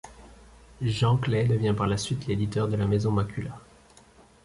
Jean Clay devient par la suite l'éditeur de la maison Macula.